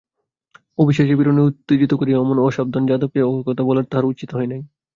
অবিশ্বাসের পীড়নে উত্তেজিত করিয়া অমন অসাবধানে যাদবকে ওকথা বলানো তাহার উচিত হয় নাই।